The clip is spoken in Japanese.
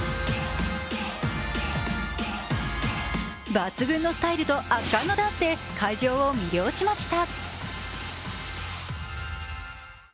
抜群のスタイルと圧巻のダンスで会場を魅了しました。